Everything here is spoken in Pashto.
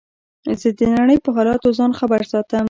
زه د نړۍ په حالاتو ځان خبر ساتم.